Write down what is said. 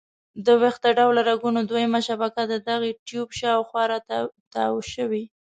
د ویښته ډوله رګونو دویمه شبکه د دې ټیوب شاوخوا را تاو شوي.